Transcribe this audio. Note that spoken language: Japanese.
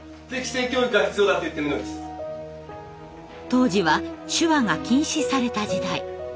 当時は手話が禁止された時代。